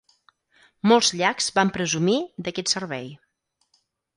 Molts llacs van presumir d"aquest servei.